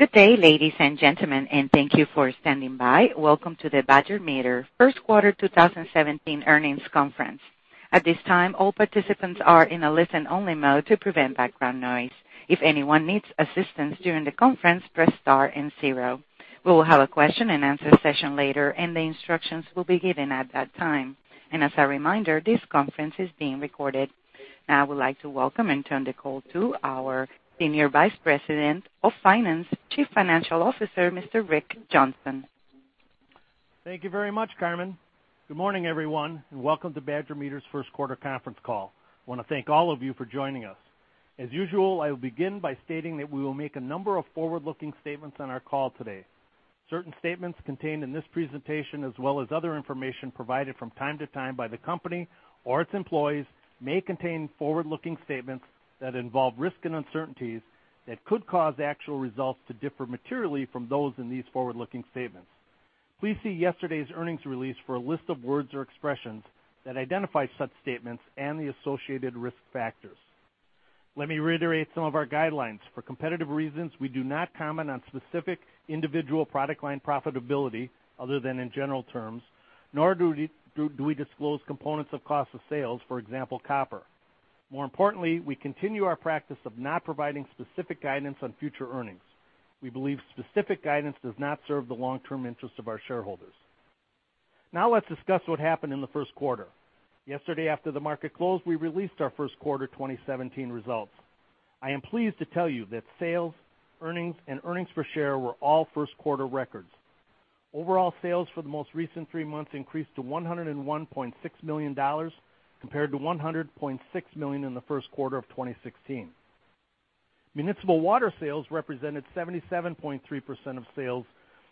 Good day, ladies and gentlemen, and thank you for standing by. Welcome to the Badger Meter first quarter 2017 earnings conference. At this time, all participants are in a listen-only mode to prevent background noise. If anyone needs assistance during the conference, press star and zero. We will have a question and answer session later, and the instructions will be given at that time. As a reminder, this conference is being recorded. Now I would like to welcome and turn the call to our Senior Vice President of Finance, Chief Financial Officer, Mr. Rick Johnson. Thank you very much, Carmen. Good morning, everyone, and welcome to Badger Meter's first quarter conference call. I want to thank all of you for joining us. As usual, I will begin by stating that we will make a number of forward-looking statements on our call today. Certain statements contained in this presentation, as well as other information provided from time to time by the company or its employees, may contain forward-looking statements that involve risk and uncertainties that could cause actual results to differ materially from those in these forward-looking statements. Please see yesterday's earnings release for a list of words or expressions that identify such statements and the associated risk factors. Let me reiterate some of our guidelines. For competitive reasons, we do not comment on specific individual product line profitability, other than in general terms, nor do we disclose components of cost of sales, for example, copper. More importantly, we continue our practice of not providing specific guidance on future earnings. We believe specific guidance does not serve the long-term interest of our shareholders. Now let's discuss what happened in the first quarter. Yesterday, after the market closed, we released our first quarter 2017 results. I am pleased to tell you that sales, earnings, and earnings per share were all first-quarter records. Overall sales for the most recent three months increased to $101.6 million, compared to $100.6 million in the first quarter of 2016. Municipal water sales represented 77.3% of sales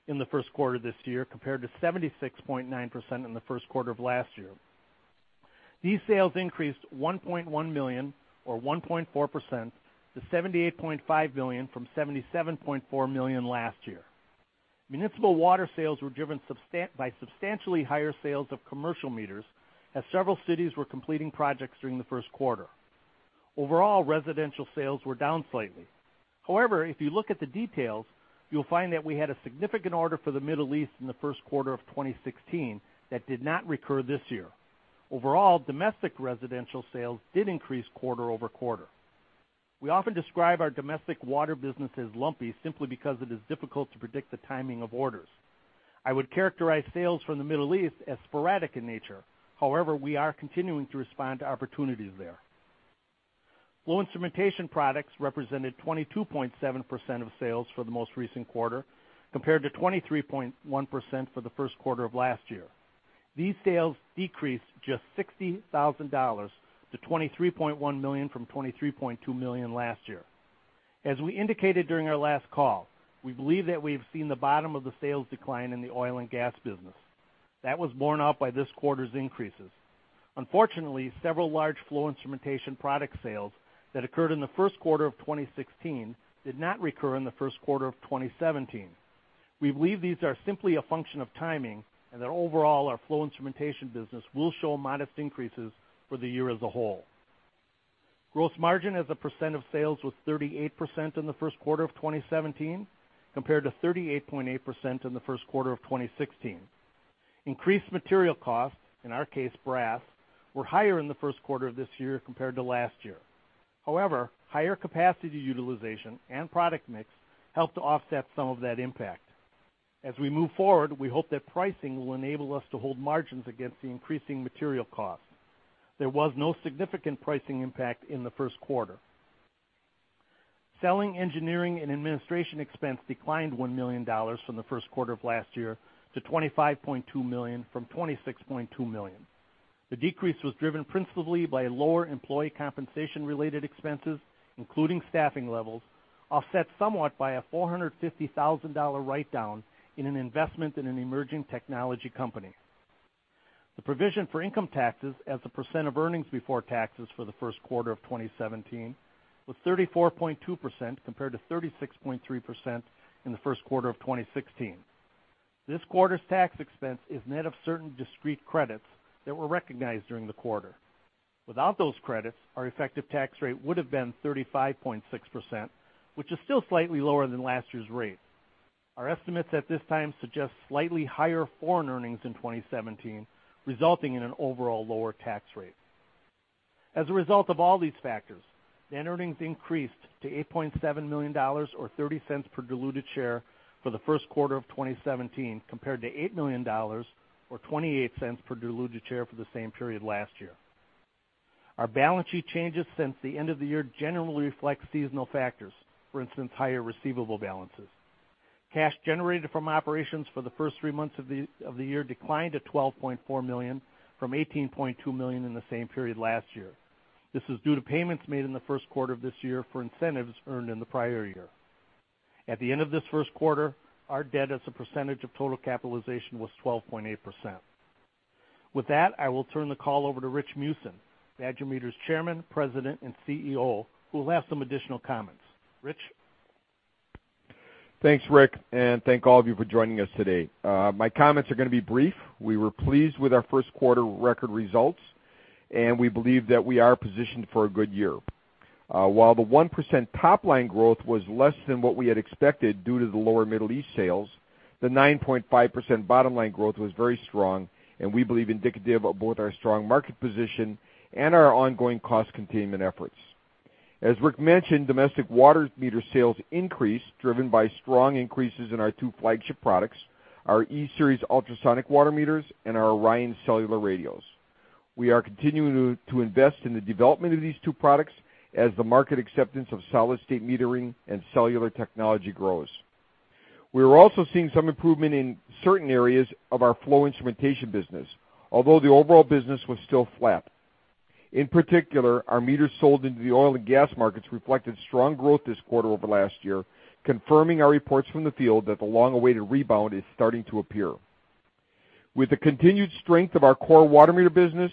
in the first quarter of this year, compared to 76.9% in the first quarter of last year. These sales increased $1.1 million, or 1.4%, to $78.5 million from $77.4 million last year. Municipal water sales were driven by substantially higher sales of commercial meters as several cities were completing projects during the first quarter. Overall, residential sales were down slightly. However, if you look at the details, you'll find that we had a significant order for the Middle East in the first quarter of 2016 that did not recur this year. Overall, domestic residential sales did increase quarter-over-quarter. We often describe our domestic water business as lumpy simply because it is difficult to predict the timing of orders. I would characterize sales from the Middle East as sporadic in nature. However, we are continuing to respond to opportunities there. Flow instrumentation products represented 22.7% of sales for the most recent quarter, compared to 23.1% for the first quarter of last year. These sales decreased just $60,000 to $23.1 million from $23.2 million last year. As we indicated during our last call, we believe that we've seen the bottom of the sales decline in the oil and gas business. That was borne out by this quarter's increases. Unfortunately, several large flow instrumentation product sales that occurred in the first quarter of 2016 did not recur in the first quarter of 2017. We believe these are simply a function of timing, and that overall, our flow instrumentation business will show modest increases for the year as a whole. Gross margin as a % of sales was 38% in the first quarter of 2017, compared to 38.8% in the first quarter of 2016. Increased material costs, in our case brass, were higher in the first quarter of this year compared to last year. Higher capacity utilization and product mix helped to offset some of that impact. As we move forward, we hope that pricing will enable us to hold margins against the increasing material costs. There was no significant pricing impact in the first quarter. Selling, engineering, and administration expense declined $1 million from the first quarter of last year to $25.2 million from $26.2 million. The decrease was driven principally by lower employee compensation-related expenses, including staffing levels, offset somewhat by a $450,000 write-down in an investment in an emerging technology company. The provision for income taxes as a % of earnings before taxes for the first quarter of 2017 was 34.2%, compared to 36.3% in the first quarter of 2016. This quarter's tax expense is net of certain discrete credits that were recognized during the quarter. Without those credits, our effective tax rate would have been 35.6%, which is still slightly lower than last year's rate. Our estimates at this time suggest slightly higher foreign earnings in 2017, resulting in an overall lower tax rate. As a result of all these factors, net earnings increased to $8.7 million, or $0.30 per diluted share, for the first quarter of 2017, compared to $8 million, or $0.28 per diluted share, for the same period last year. Our balance sheet changes since the end of the year generally reflect seasonal factors. For instance, higher receivable balances. Cash generated from operations for the first three months of the year declined to $12.4 million from $18.2 million in the same period last year. This is due to payments made in the first quarter of this year for incentives earned in the prior year. At the end of this first quarter, our debt as a % of total capitalization was 12.8%. With that, I will turn the call over to Rich Meeusen, Badger Meter's Chairman, President, and CEO, who will have some additional comments. Rich? Thanks, Rick, thank all of you for joining us today. My comments are going to be brief. We were pleased with our first quarter record results. We believe that we are positioned for a good year. While the 1% top-line growth was less than what we had expected due to the lower Middle East sales, the 9.5% bottom-line growth was very strong and we believe indicative of both our strong market position and our ongoing cost containment efforts. As Rick mentioned, domestic water meter sales increased, driven by strong increases in our two flagship products, our E-Series ultrasonic water meters and our ORION Cellular radios. We are continuing to invest in the development of these two products as the market acceptance of solid-state metering and cellular technology grows. We are also seeing some improvement in certain areas of our flow instrumentation business, although the overall business was still flat. In particular, our meters sold into the oil and gas markets reflected strong growth this quarter over last year, confirming our reports from the field that the long-awaited rebound is starting to appear. With the continued strength of our core water meter business,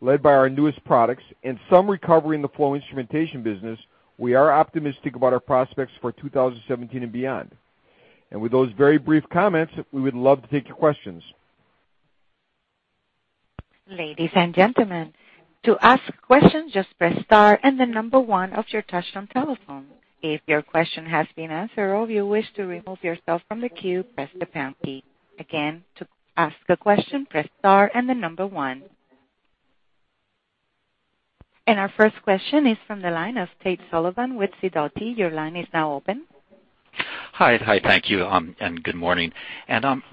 led by our newest products, and some recovery in the flow instrumentation business, we are optimistic about our prospects for 2017 and beyond. With those very brief comments, we would love to take your questions. Ladies and gentlemen, to ask questions, just press star and the number one on your touch-tone telephone. If your question has been answered or if you wish to remove yourself from the queue, press the pound key. Again, to ask a question, press star and the number one. Our first question is from the line of Tate Sullivan with Sidoti. Your line is now open. Hi. Thank you, and good morning.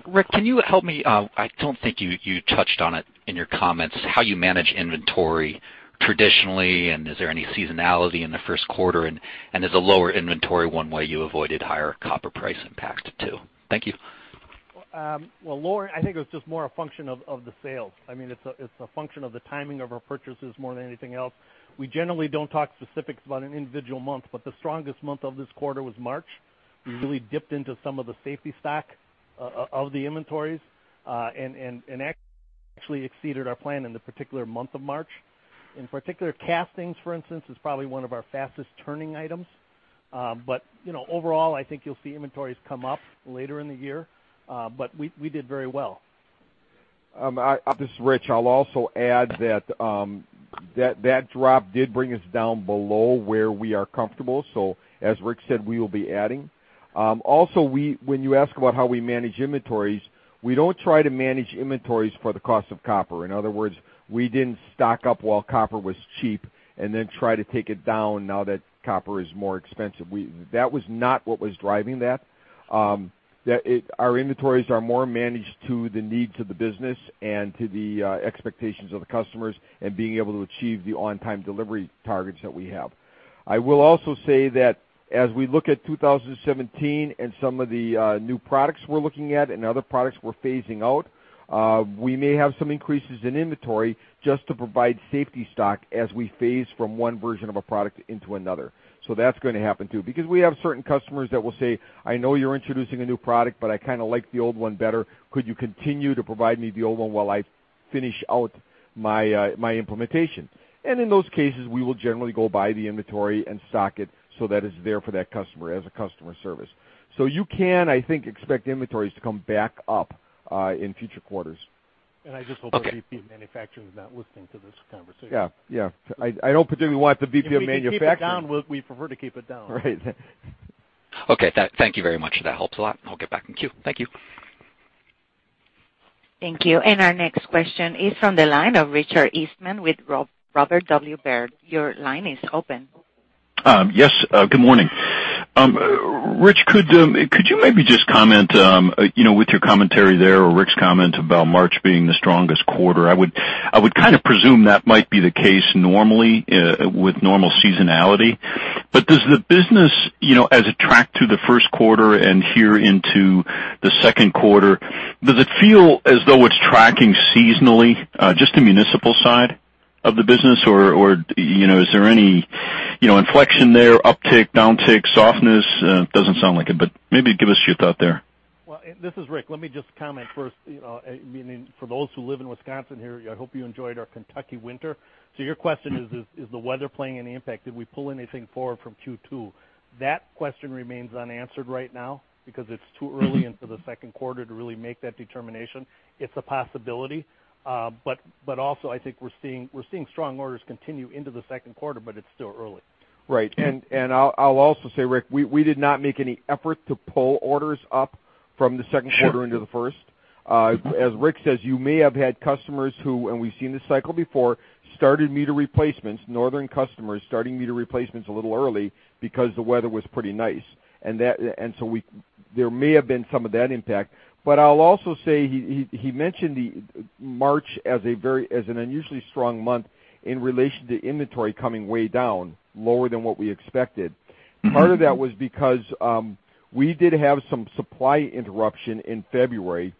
Rick, can you help me, I don't think you touched on it in your comments, how you manage inventory traditionally and is there any seasonality in the first quarter, and is the lower inventory one way you avoided higher copper price impact, too? Thank you. Well, Lauren, I think it was just more a function of the sales. It's a function of the timing of our purchases more than anything else. We generally don't talk specifics about an individual month, but the strongest month of this quarter was March. We really dipped into some of the safety stock of the inventories, and actually exceeded our plan in the particular month of March. In particular, castings, for instance, is probably one of our fastest turning items. Overall, I think you'll see inventories come up later in the year. We did very well. This is Rich. I'll also add that drop did bring us down below where we are comfortable. As Rick said, we will be adding. Also, when you ask about how we manage inventories, we don't try to manage inventories for the cost of copper. In other words, we didn't stock up while copper was cheap and then try to take it down now that copper is more expensive. That was not what was driving that. Our inventories are more managed to the need to the business and to the expectations of the customers and being able to achieve the on-time delivery targets that we have. I will also say that as we look at 2017 and some of the new products we're looking at and other products we're phasing out, we may have some increases in inventory just to provide safety stock as we phase from one version of a product into another. That's going to happen, too, because we have certain customers that will say, "I know you're introducing a new product, but I kind of like the old one better. Could you continue to provide me the old one while I finish out my implementation?" In those cases, we will generally go buy the inventory and stock it so that it's there for that customer as a customer service. You can, I think, expect inventories to come back up in future quarters. I just hope our VP of manufacturing is not listening to this conversation. Yeah. I don't particularly want the VP of manufacturing- If we could keep it down, we prefer to keep it down. Right. Okay. Thank you very much. That helps a lot. I'll get back in queue. Thank you. Thank you. Our next question is from the line of Richard Eastman with Robert W. Baird. Your line is open. Yes. Good morning. Rich, could you maybe just comment, with your commentary there or Rick's comment about March being the strongest quarter, I would kind of presume that might be the case normally, with normal seasonality. Does the business, as it tracked through the first quarter and here into the second quarter, does it feel as though it's tracking seasonally, just the municipal side of the business, or is there any inflection there, uptick, downtick, softness? Doesn't sound like it, but maybe give us your thought there. Well, this is Rick. Let me just comment first. For those who live in Wisconsin here, I hope you enjoyed our Kentucky winter. Your question is the weather playing any impact? Did we pull anything forward from Q2? That question remains unanswered right now because it's too early into the second quarter to really make that determination. It's a possibility. Also, I think we're seeing strong orders continue into the second quarter, but it's still early. Right. I'll also say, Rick, we did not make any effort to pull orders up from the second quarter into the first. As Rick says, you may have had customers who, and we've seen this cycle before, started meter replacements, Northern customers starting meter replacements a little early because the weather was pretty nice. So there may have been some of that impact. I'll also say, he mentioned March as an unusually strong month in relation to inventory coming way down, lower than what we expected. Part of that was because we did have some supply interruption in February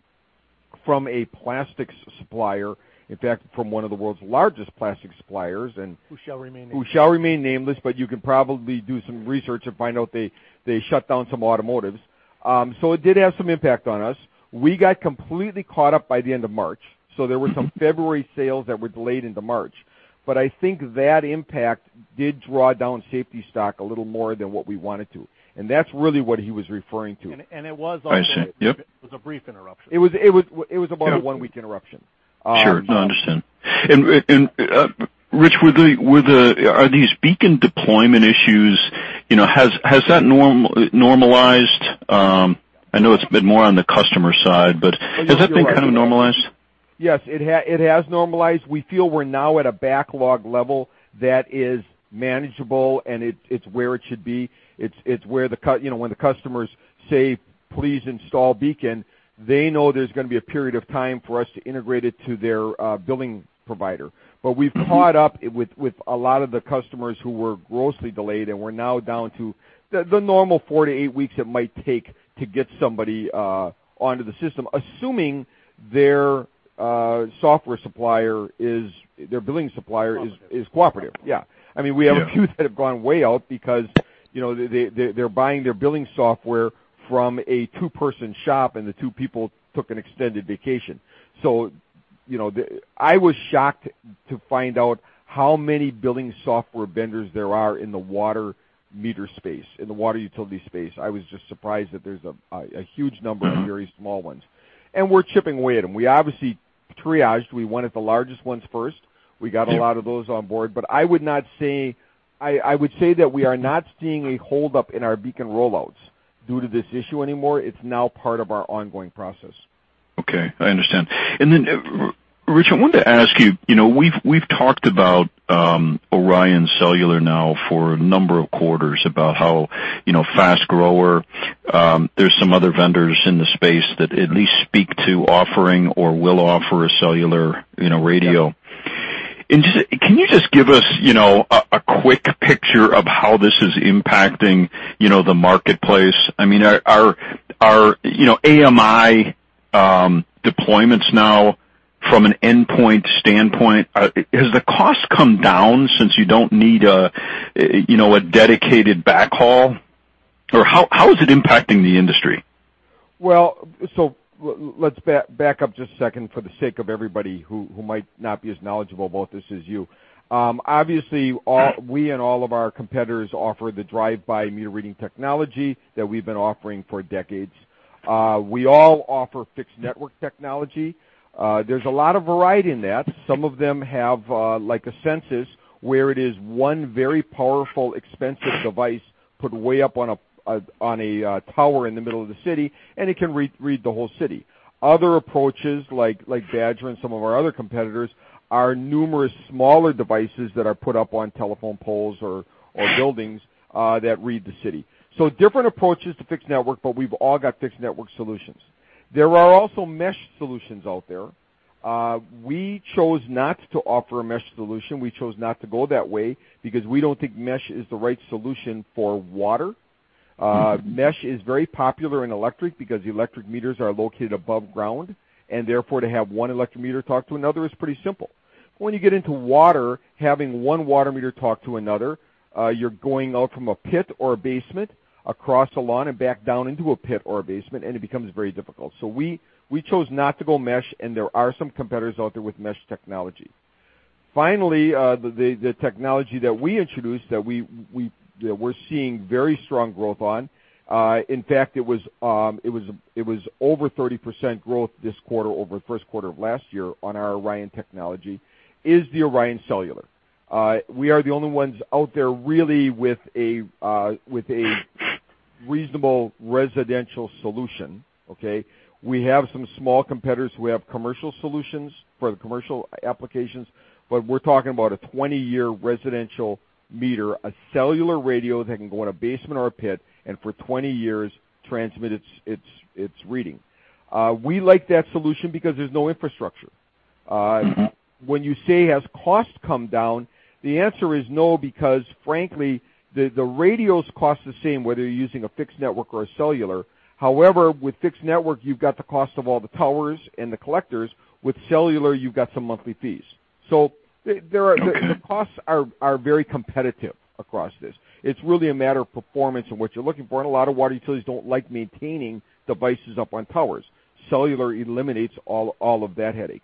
from a plastics supplier. In fact, from one of the world's largest plastic suppliers and- Who shall remain nameless. Who shall remain nameless, but you can probably do some research and find out they shut down some automotives. It did have some impact on us. We got completely caught up by the end of March. There were some February sales that were delayed into March. I think that impact did draw down safety stock a little more than what we wanted to. That's really what he was referring to. I see. Yep, it was a brief interruption. It was about a one-week interruption. Sure. No, I understand. Rich, are these BEACON deployment issues, has that normalized? I know it's been more on the customer side, has that been kind of normalized? Yes, it has normalized. We feel we're now at a backlog level that is manageable, and it's where it should be. It's where, when the customers say, "Please install BEACON," they know there's going to be a period of time for us to integrate it to their billing provider. We've caught up with a lot of the customers who were grossly delayed, and we're now down to the normal four to eight weeks it might take to get somebody onto the system, assuming their software supplier is, their billing supplier is. Cooperative cooperative, yeah. We have a few that have gone way out because they're buying their billing software from a two-person shop, and the two people took an extended vacation. I was shocked to find out how many billing software vendors there are in the water meter space, in the water utility space. I was just surprised that there's a huge number of very small ones. We're chipping away at them. We obviously triaged. We went at the largest ones first. We got a lot of those on board. I would say that we are not seeing a hold up in our BEACON rollouts due to this issue anymore. It's now part of our ongoing process. Okay. I understand. Rich, I wanted to ask you, we've talked about ORION Cellular now for a number of quarters about how fast grower. There's some other vendors in the space that at least speak to offering or will offer a cellular radio. Yeah. Can you just give us a quick picture of how this is impacting the marketplace? Are AMI deployments now, from an endpoint standpoint, has the cost come down since you don't need a dedicated backhaul? How is it impacting the industry? Let's back up just a second for the sake of everybody who might not be as knowledgeable about this as you. Obviously, we and all of our competitors offer the drive-by meter reading technology that we've been offering for decades. We all offer fixed network technology. There's a lot of variety in that. Some of them have, like a Sensus, where it is one very powerful, expensive device put way up on a tower in the middle of the city, and it can read the whole city. Other approaches, like Badger Meter and some of our other competitors, are numerous smaller devices that are put up on telephone poles or buildings that read the city. Different approaches to fixed network, but we've all got fixed network solutions. There are also mesh solutions out there. We chose not to offer a mesh solution. We chose not to go that way because we don't think mesh is the right solution for water. Mesh is very popular in electric because the electric meters are located above ground, and therefore to have one electric meter talk to another is pretty simple. When you get into water, having one water meter talk to another, you're going out from a pit or a basement, across a lawn and back down into a pit or a basement, and it becomes very difficult. We chose not to go mesh, and there are some competitors out there with mesh technology. Finally, the technology that we introduced that we're seeing very strong growth on, in fact, it was over 30% growth this quarter over first quarter of last year on our ORION technology, is the ORION Cellular. We are the only ones out there really with a reasonable residential solution. Okay. We have some small competitors who have commercial solutions for the commercial applications, but we're talking about a 20-year residential meter, a cellular radio that can go in a basement or a pit, and for 20 years transmit its reading. We like that solution because there's no infrastructure. When you say, has cost come down, the answer is no, because frankly, the radios cost the same whether you're using a fixed network or a cellular. However, with fixed network, you've got the cost of all the towers and the collectors. With cellular, you've got some monthly fees. The costs are very competitive across this. It's really a matter of performance and what you're looking for, and a lot of water utilities don't like maintaining devices up on towers. Cellular eliminates all of that headache.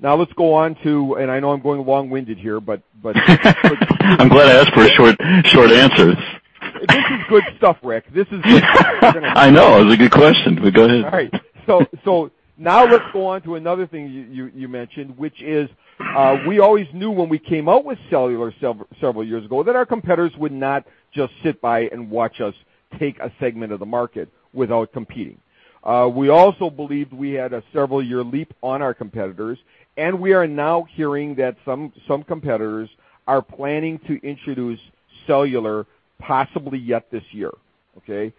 Now let's go on to, and I know I'm going long-winded here. I'm glad I asked for a short answer. This is good stuff, Rick. I know. It was a good question. Go ahead. All right. Now let's go on to another thing you mentioned, which is, we always knew when we came out with cellular several years ago, that our competitors would not just sit by and watch us take a segment of the market without competing. We also believed we had a several-year leap on our competitors, and we are now hearing that some competitors are planning to introduce cellular possibly yet this year. Okay?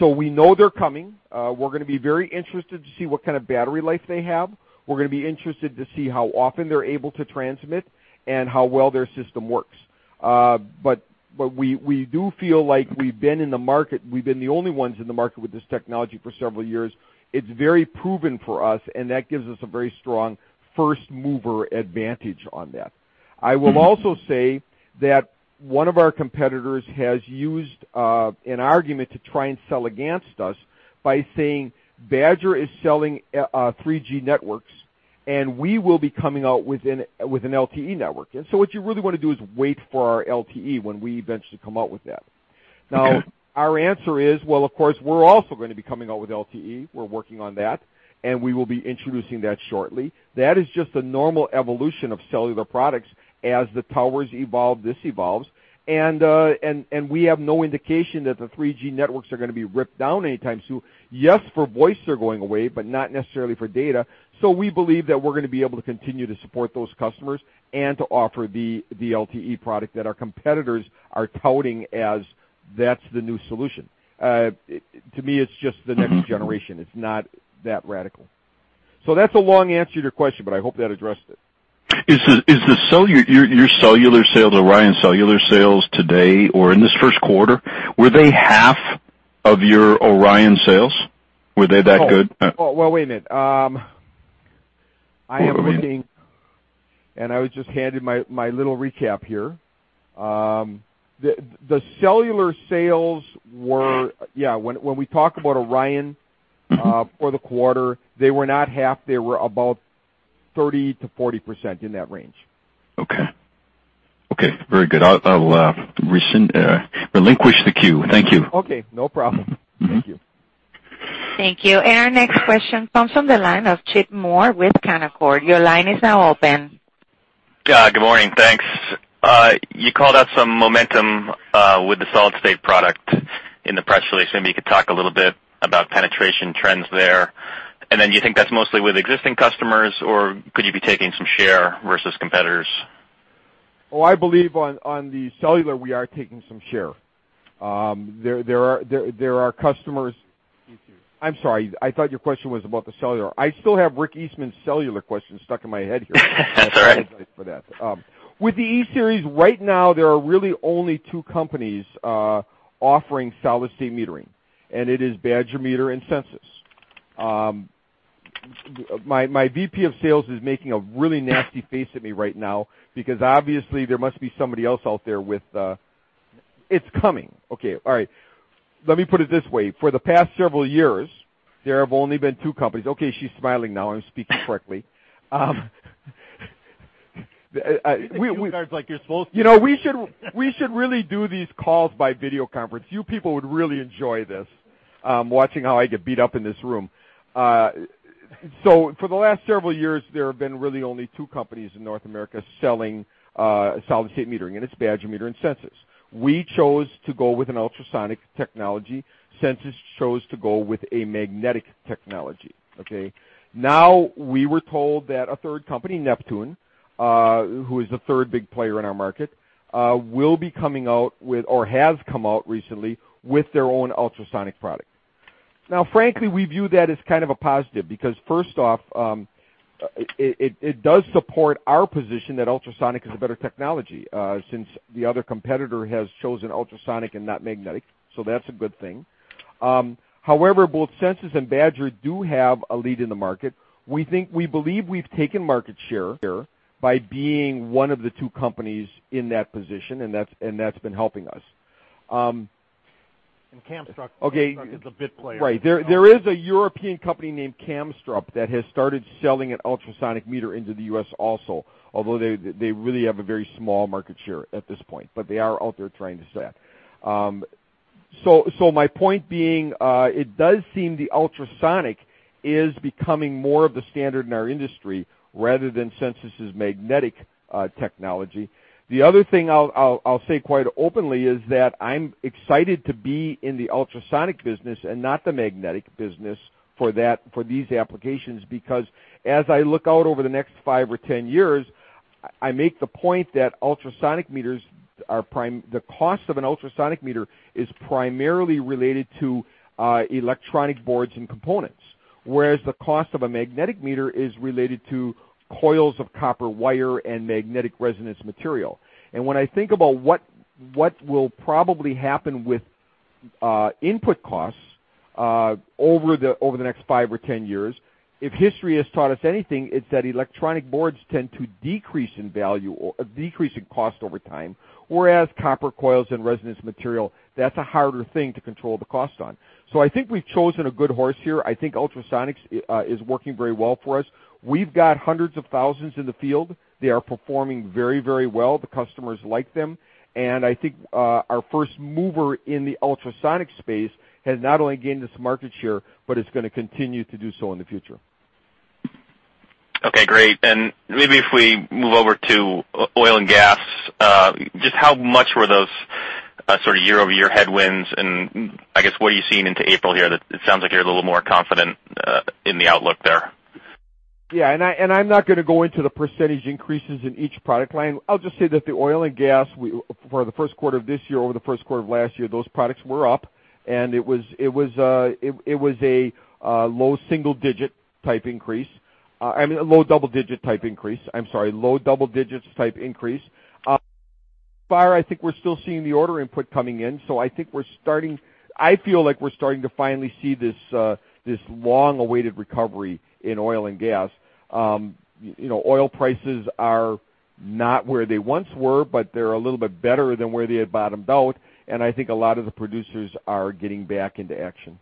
We know they're coming. We're going to be very interested to see what kind of battery life they have. We're going to be interested to see how often they're able to transmit and how well their system works. We do feel like we've been in the market, we've been the only ones in the market with this technology for several years. It's very proven for us, that gives us a very strong first-mover advantage on that. I will also say that one of our competitors has used an argument to try and sell against us by saying Badger is selling 3G networks, and we will be coming out with an LTE network. What you really want to do is wait for our LTE when we eventually come out with that. Okay. Our answer is, of course, we're also going to be coming out with LTE. We're working on that, and we will be introducing that shortly. That is just the normal evolution of cellular products. As the towers evolve, this evolves. We have no indication that the 3G networks are going to be ripped down anytime soon. Yes, for voice, they're going away, but not necessarily for data. We believe that we're going to be able to continue to support those customers and to offer the LTE product that our competitors are touting as that's the new solution. To me, it's just the next generation. It's not that radical. That's a long answer to your question, but I hope that addressed it. Your cellular sales, ORION cellular sales today or in this first quarter, were they half of your ORION sales? Were they that good? Wait a minute. I am looking, and I was just handed my little recap here. The cellular sales were, when we talk about ORION for the quarter, they were not half. They were about 30%-40%, in that range. Okay. Very good. I'll relinquish the queue. Thank you. Okay, no problem. Thank you. Thank you. Our next question comes from the line of Chip Moore with Canaccord. Your line is now open. Good morning. Thanks. You called out some momentum with the solid-state product in the press release. Maybe you could talk a little bit about penetration trends there. Then do you think that's mostly with existing customers, or could you be taking some share versus competitors? Oh, I believe on the cellular, we are taking some share. There are customers. I'm sorry. I thought your question was about the cellular. I still have Rick Eastman's cellular question stuck in my head here. That's all right. I apologize for that. With the E-Series, right now, there are really only two companies offering solid-state metering, and it is Badger Meter and Sensus. My VP of sales is making a really nasty face at me right now because obviously there must be somebody else out there with It's coming. Okay. All right. Let me put it this way. For the past several years, there have only been two companies. Okay, she's smiling now. I'm speaking correctly. You guys like you're supposed to. We should really do these calls by video conference. You people would really enjoy this, watching how I get beat up in this room. For the last several years, there have been really only two companies in North America selling solid-state metering, and it's Badger Meter and Sensus. We chose to go with an ultrasonic technology. Sensus chose to go with a magnetic technology. Okay. Now, we were told that a third company, Neptune, who is the third big player in our market will be coming out with or has come out recently with their own ultrasonic product. Now, frankly, we view that as kind of a positive because first off, it does support our position that ultrasonic is a better technology, since the other competitor has chosen ultrasonic and not magnetic. That's a good thing. However, both Sensus and Badger do have a lead in the market. We believe we've taken market share here by being one of the two companies in that position, and that's been helping us. Kamstrup is a bit player. Right. There is a European company named Kamstrup that has started selling an ultrasonic meter into the U.S. also, although they really have a very small market share at this point, but they are out there trying to sell. My point being, it does seem the ultrasonic is becoming more of the standard in our industry rather than Sensus' magnetic technology. The other thing I'll say quite openly is that I'm excited to be in the ultrasonic business and not the magnetic business for these applications, because as I look out over the next five or 10 years, I make the point that ultrasonic meters are prime. The cost of an ultrasonic meter is primarily related to electronic boards and components, whereas the cost of a magnetic meter is related to coils of copper wire and magnetic resonance material. When I think about what will probably happen with input costs over the next five or 10 years, if history has taught us anything, it's that electronic boards tend to decrease in cost over time. Whereas copper coils and resonance material, that's a harder thing to control the cost on. I think we've chosen a good horse here. I think ultrasonics is working very well for us. We've got hundreds of thousands in the field. They are performing very well. The customers like them, and I think our first mover in the ultrasonic space has not only gained us market share, but it's going to continue to do so in the future. Okay, great. Maybe if we move over to oil and gas, just how much were those sort of year-over-year headwinds, I guess what are you seeing into April here that it sounds like you're a little more confident in the outlook there? Yeah, I'm not going to go into the percentage increases in each product line. I'll just say that the oil and gas for the first quarter of this year, over the first quarter of last year, those products were up, and it was a low single-digit type increase. I mean, a low double-digit type increase. I think we're still seeing the order input coming in, I feel like we're starting to finally see this long-awaited recovery in oil and gas. Oil prices are not where they once were, but they're a little bit better than where they had bottomed out, and I think a lot of the producers are getting back into action.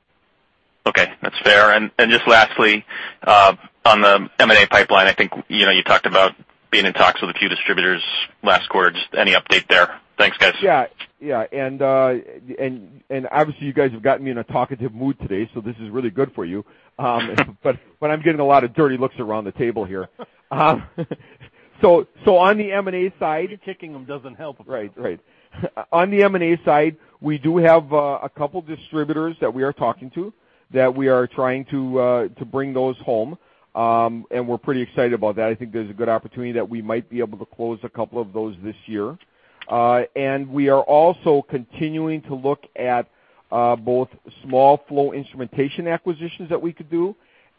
Okay, that's fair. Just lastly, on the M&A pipeline, I think you talked about being in talks with a few distributors last quarter. Just any update there? Thanks, guys. Yeah. Obviously you guys have gotten me in a talkative mood today, this is really good for you. I'm getting a lot of dirty looks around the table here. On the M&A side. Kicking him doesn't help. Right. On the M&A side, we do have a couple of distributors that we are talking to, that we are trying to bring those home. We're pretty excited about that. I think there's a good opportunity that we might be able to close a couple of those this year. We are also continuing to look at both small flow instrumentation acquisitions that we could do,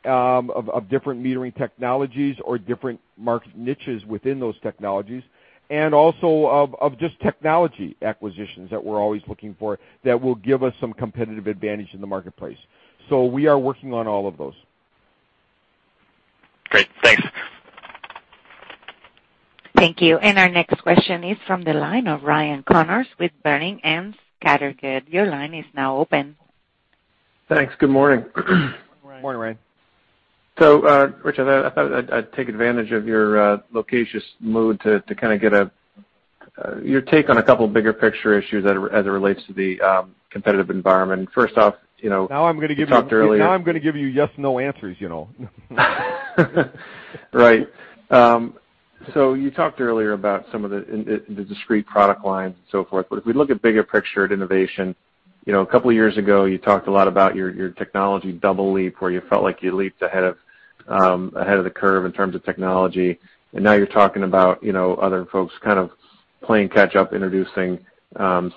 of different metering technologies or different market niches within those technologies. Also of just technology acquisitions that we're always looking for, that will give us some competitive advantage in the marketplace. We are working on all of those. Great. Thanks. Thank you. Our next question is from the line of Ryan Connors with Boenning & Scattergood. Your line is now open. Thanks. Good morning. Good morning, Ryan. Rich, I thought I'd take advantage of your loquacious mood to kind of get your take on a couple bigger picture issues as it relates to the competitive environment. First off- Now I'm going to give you yes, no answers, you know. Right. You talked earlier about some of the discrete product lines and so forth. If we look at bigger picture at innovation, a couple of years ago, you talked a lot about your technology double leap, where you felt like you leaped ahead of the curve in terms of technology. Now you're talking about other folks kind of playing catch up, introducing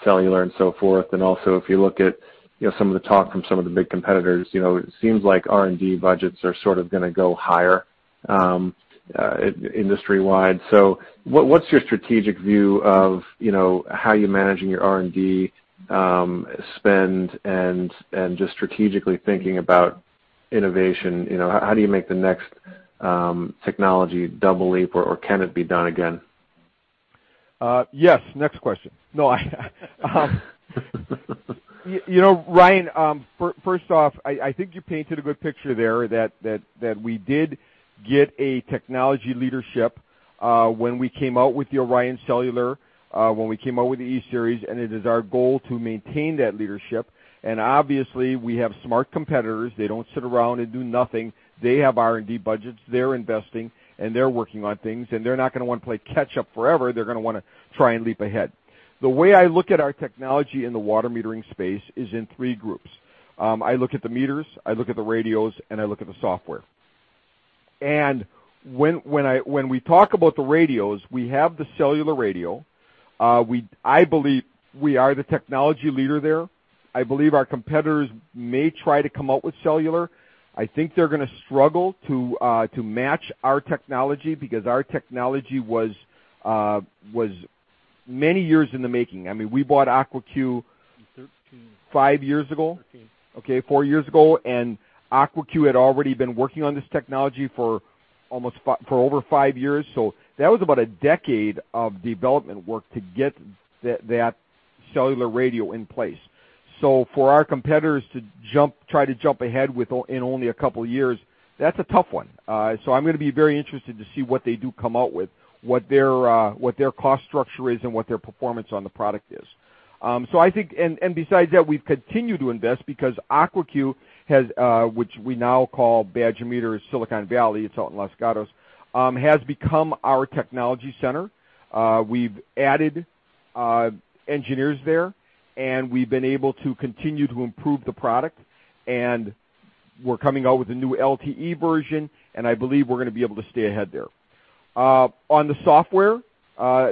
cellular and so forth. Also, if you look at some of the talk from some of the big competitors, it seems like R&D budgets are sort of going to go higher industry wide. What's your strategic view of how you're managing your R&D spend and just strategically thinking about innovation? How do you make the next technology double leap or can it be done again? Ryan, first off, I think you painted a good picture there that we did get a technology leadership, when we came out with the ORION Cellular, when we came out with the E-Series, and it is our goal to maintain that leadership. Obviously we have smart competitors. They don't sit around and do nothing. They have R&D budgets. They're investing, and they're working on things, and they're not going to want to play catch up forever. They're going to want to try and leap ahead. The way I look at our technology in the water metering space is in three groups. I look at the meters, I look at the radios, and I look at the software. When we talk about the radios, we have the cellular radio. I believe we are the technology leader there. I believe our competitors may try to come out with cellular. I think they're going to struggle to match our technology because our technology was many years in the making. We bought Aquacue five years ago. Fourteen. Four years ago. Aquacue had already been working on this technology for over five years. That was about a decade of development work to get that cellular radio in place. For our competitors to try to jump ahead in only a couple of years, that's a tough one. I'm going to be very interested to see what they do come out with, what their cost structure is, and what their performance on the product is. Besides that, we've continued to invest because Aquacue, which we now call Badger Meter Silicon Valley, it's out in Los Gatos, has become our technology center. We've added engineers there, and we've been able to continue to improve the product. We're coming out with a new LTE version, and I believe we're going to be able to stay ahead there. On the software,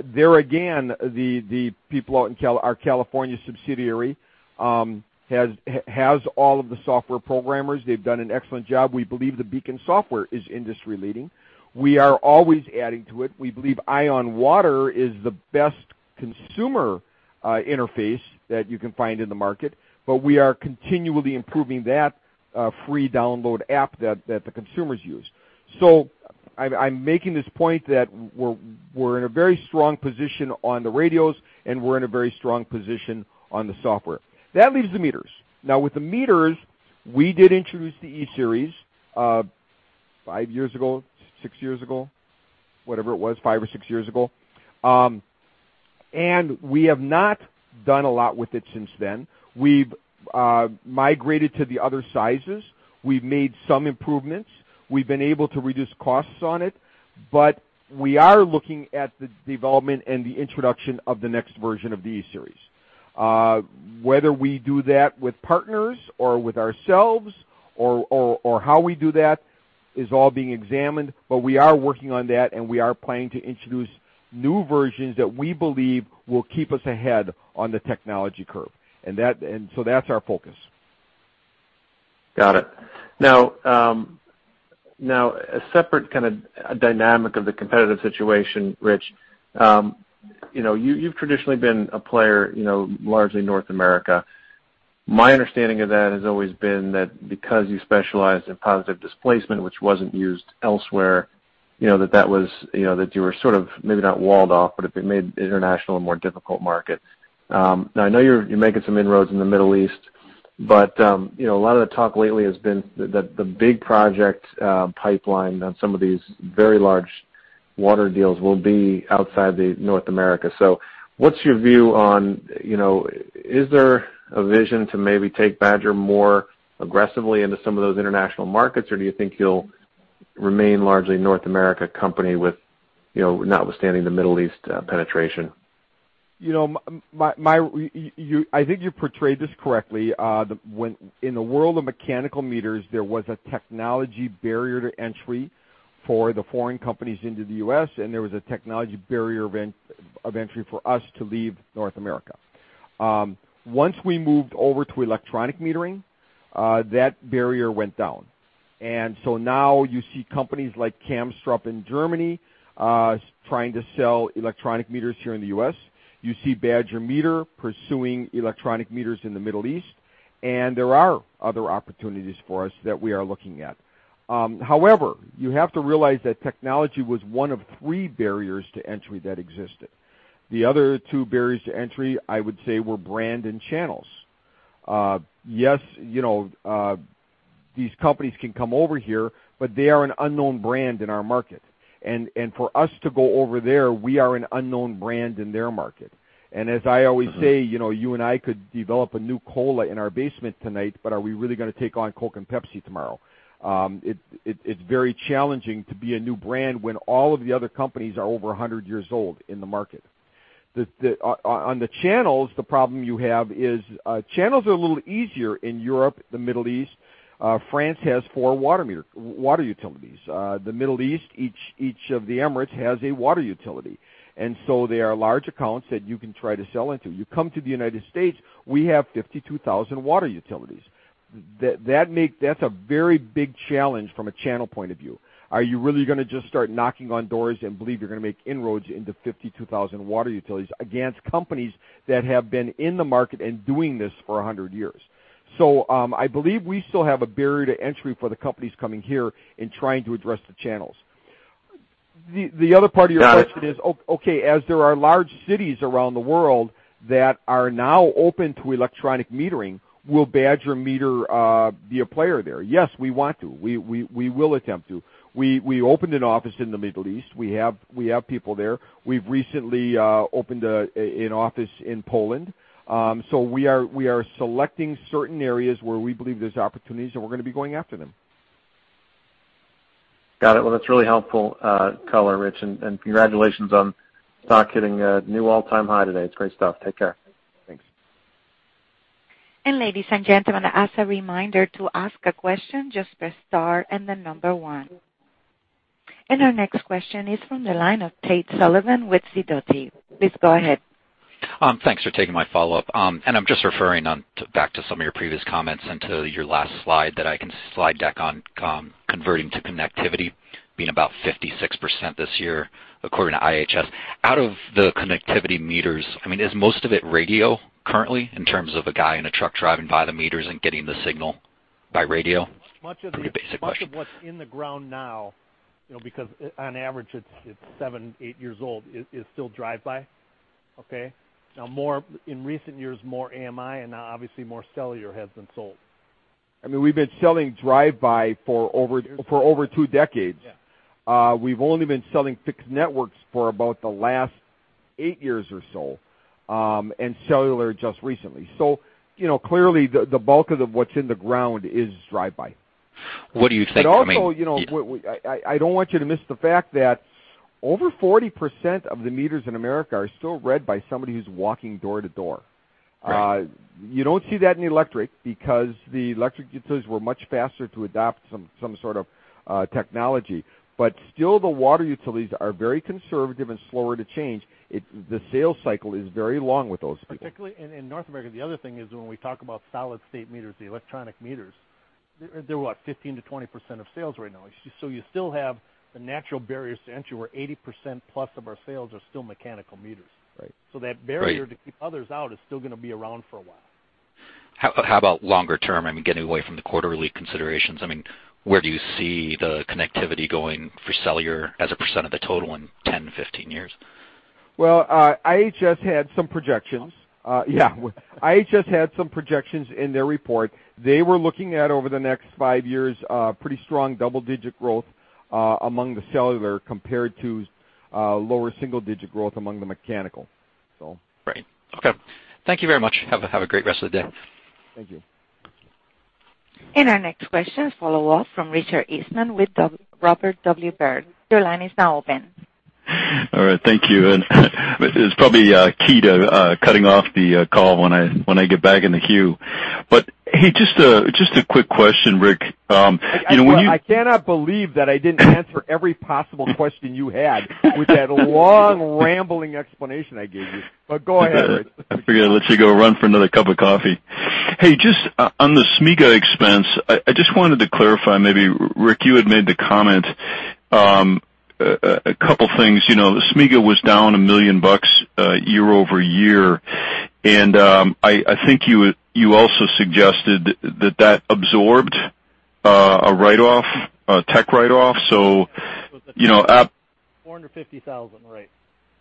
there again, the people out in our California subsidiary has all of the software programmers. They've done an excellent job. We believe the BEACON software is industry leading. We are always adding to it. We believe EyeOnWater is the best consumer interface that you can find in the market, but we are continually improving that free download app that the consumers use. I'm making this point that we're in a very strong position on the radios, and we're in a very strong position on the software. That leaves the meters. Now with the meters, we did introduce the E-Series, five years ago, six years ago, whatever it was, five or six years ago. We have not done a lot with it since then. We've migrated to the other sizes. We've made some improvements. We've been able to reduce costs on it. We are looking at the development and the introduction of the next version of the E-Series. Whether we do that with partners or with ourselves or how we do that is all being examined. We are working on that, and we are planning to introduce new versions that we believe will keep us ahead on the technology curve. That's our focus. Got it. Now, a separate kind of dynamic of the competitive situation, Rich. You've traditionally been a player largely North America. My understanding of that has always been that because you specialize in positive displacement, which wasn't used elsewhere, that you were sort of maybe not walled off, but it made international a more difficult market. Now, I know you're making some inroads in the Middle East, but a lot of the talk lately has been that the big project pipeline on some of these very large water deals will be outside North America. What's your view on, is there a vision to maybe take Badger more aggressively into some of those international markets, or do you think you'll remain largely a North America company notwithstanding the Middle East penetration? I think you portrayed this correctly. In the world of mechanical meters, there was a technology barrier to entry for the foreign companies into the U.S., and there was a technology barrier of entry for us to leave North America. Once we moved over to electronic metering, that barrier went down. Now you see companies like Kamstrup in Germany trying to sell electronic meters here in the U.S. You see Badger Meter pursuing electronic meters in the Middle East, and there are other opportunities for us that we are looking at. However, you have to realize that technology was one of three barriers to entry that existed. The other two barriers to entry, I would say, were brand and channels. Yes, these companies can come over here, but they are an unknown brand in our market. For us to go over there, we are an unknown brand in their market. As I always say you and I could develop a new cola in our basement tonight, but are we really going to take on Coke and Pepsi tomorrow? It's very challenging to be a new brand when all of the other companies are over 100 years old in the market. On the channels, the problem you have is channels are a little easier in Europe, the Middle East. France has four water utilities. The Middle East, each of the Emirates has a water utility, so they are large accounts that you can try to sell into. You come to the United States, we have 52,000 water utilities. That's a very big challenge from a channel point of view. Are you really going to just start knocking on doors and believe you're going to make inroads into 52,000 water utilities against companies that have been in the market and doing this for 100 years? I believe we still have a barrier to entry for the companies coming here and trying to address the channels. The other part of your question is, okay, as there are large cities around the world that are now open to electronic metering, will Badger Meter be a player there? Yes, we want to. We will attempt to. We opened an office in the Middle East. We have people there. We've recently opened an office in Poland. We are selecting certain areas where we believe there's opportunities, and we're going to be going after them. Got it. That's really helpful color, Rich, and congratulations on the stock hitting a new all-time high today. It's great stuff. Take care. Thanks. Ladies and gentlemen, as a reminder, to ask a question, just press star and then number one. Our next question is from the line of Tate Sullivan with Sidoti. Please go ahead. Thanks for taking my follow-up. I'm just referring back to some of your previous comments and to your last slide deck on converting to connectivity being about 56% this year according to IHS. Out of the connectivity meters, is most of it radio currently in terms of a guy in a truck driving by the meters and getting the signal by radio? Pretty basic question. Much of what's in the ground now, because on average it's seven, eight years old, is still drive-by. Okay? In recent years, more AMI, and now obviously more cellular has been sold. We've been selling drive-by for over 2 decades. Yeah. We've only been selling fixed networks for about the last eight years or so, and cellular just recently. Clearly, the bulk of what's in the ground is drive-by. What do you think? Also, I don't want you to miss the fact that over 40% of the meters in America are still read by somebody who's walking door to door. Right. You don't see that in electric because the electric utilities were much faster to adopt some sort of technology. Still, the water utilities are very conservative and slower to change. The sales cycle is very long with those people. Particularly in North America, the other thing is when we talk about solid-state meters, the electronic meters, they're what? 15%-20% of sales right now. You still have the natural barriers to entry where 80% plus of our sales are still mechanical meters. Right. That barrier to keep others out is still going to be around for a while. How about longer term, getting away from the quarterly considerations? Where do you see the connectivity going for cellular as a percent of the total in 10, 15 years? Well, IHS had some projections. months. Yeah. IHS had some projections in their report. They were looking at over the next five years, pretty strong double-digit growth among the cellular compared to lower single-digit growth among the mechanical. Right. Okay. Thank you very much. Have a great rest of the day. Thank you. Our next question, a follow-up from Richard Eastman with Robert W. Baird. Your line is now open. All right, thank you, and it's probably key to cutting off the call when I get back in the queue. Hey, just a quick question, Rick. I cannot believe that I didn't answer every possible question you had with that long, rambling explanation I gave you. Go ahead, Rick. I figured I'd let you go run for another cup of coffee. Hey, just on the SG&A expense, I just wanted to clarify maybe, Rick, you had made the comment, a couple things. SG&A was down $1 million year-over-year, I think you also suggested that that absorbed a tech write-off. $450,000. Right.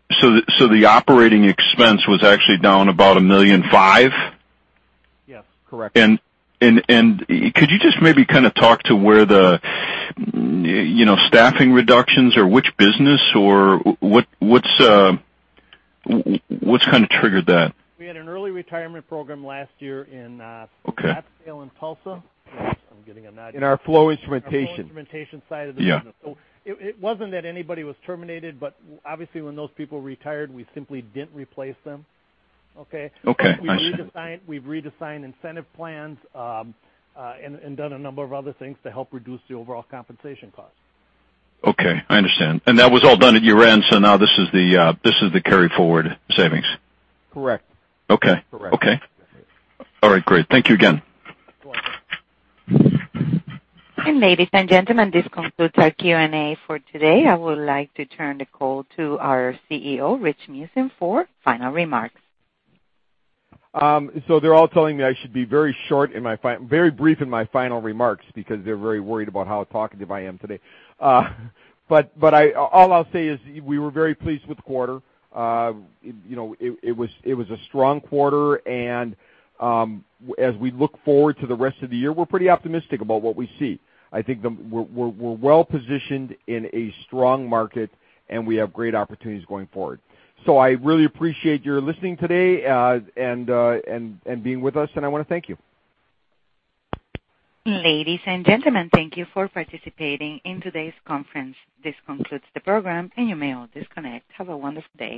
The operating expense was actually down about $1.5 million? Yes, correct. Could you just maybe kind of talk to where the staffing reductions or which business or what's kind of triggered that? We had an early retirement program last year in- Okay Racine and Tulsa. I'm getting a nod. In our flow instrumentation. Our flow instrumentation side of the business. Yeah. It wasn't that anybody was terminated, but obviously when those people retired, we simply didn't replace them. Okay. Okay. I understand. We've redesigned incentive plans, done a number of other things to help reduce the overall compensation cost. Okay. I understand. That was all done at year-end, now this is the carry forward savings. Correct. Okay. Correct. Okay. All right. Great. Thank you again. You're welcome. Ladies and gentlemen, this concludes our Q&A for today. I would like to turn the call to our CEO, Rich Meeusen, for final remarks. They're all telling me I should be very brief in my final remarks because they're very worried about how talkative I am today. All I'll say is we were very pleased with the quarter. It was a strong quarter and as we look forward to the rest of the year, we're pretty optimistic about what we see. I think we're well-positioned in a strong market, and we have great opportunities going forward. I really appreciate your listening today and being with us and I want to thank you. Ladies and gentlemen, thank you for participating in today's conference. This concludes the program and you may all disconnect. Have a wonderful day.